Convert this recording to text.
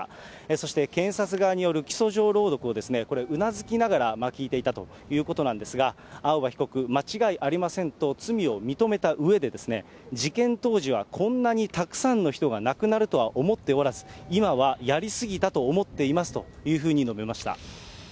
そして検察側による起訴状朗読を、うなずきながら聞いていたということなんですが、青葉被告、間違いありませんと、罪を認めたうえで、事件当時はこんなにたくさんの人が亡くなるとは思っておらず、今はやり過ぎたと思っていますというふうに述べました。